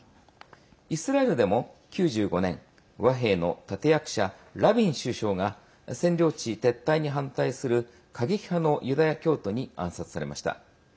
イスラエルでも９５年和平の立て役者、ラビン首相が占領地撤退に反対する過激派のユダヤ教徒に暗殺されました。